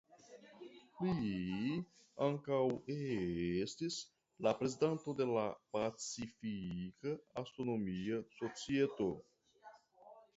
Li ankaŭ estis la prezidanto de la Pacifika Astronomia Societo.